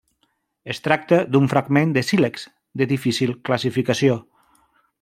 Es tracta d'un fragment de sílex, de difícil classificació.